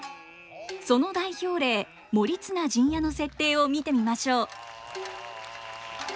その代表例「盛綱陣屋」の設定を見てみましょう。